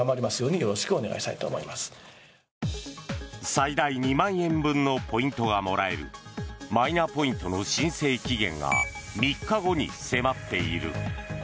最大２万円分のポイントがもらえるマイナポイントの申請期限が３日後に迫っている。